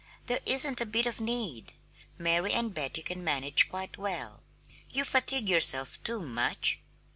There isn't a bit of need Mary and Betty can manage quite well. You fatigue yourself too much!"